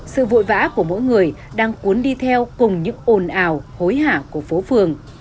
sự vội vã của mỗi người đang cuốn đi theo cùng những ồn ào hối hả của phố phường